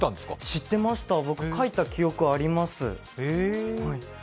知ってました描いた記憶あります。